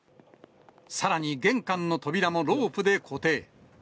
さらに玄関の扉もロープで固定。